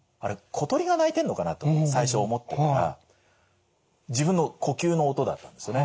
小鳥が鳴いてんのかなと最初思ってたら自分の呼吸の音だったんですよね。